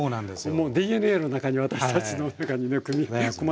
もうＤＮＡの中に私たちの中にね組み込まれてるのか。